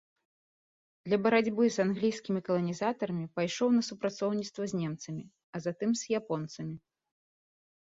Для барацьбы з англійскімі каланізатарамі пайшоў на супрацоўніцтва з немцамі, а затым з японцамі.